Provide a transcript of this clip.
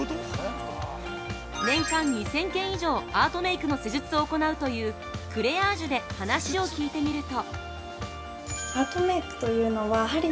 年間２０００件以上アートメイクの施術を行うというクレアージュで話を聞いてみると。